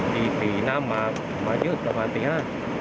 ๔นาทีน้ำมายืดประมาณ๔นาทีห้า